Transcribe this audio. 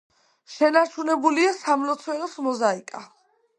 შენარჩუნებულია სამლოცველოს მოზაიკა.